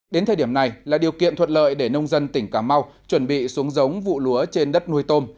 đến thời điểm này là điều kiện thuận lợi để nông dân tỉnh cà mau chuẩn bị xuống giống vụ lúa trên đất nuôi tôm